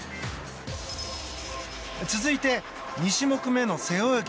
続いて２種目めの背泳ぎ。